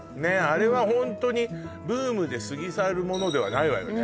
あれはホントにブームで過ぎ去るものではないわよね